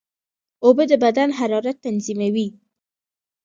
اوبه د بدن حرارت تنظیموي.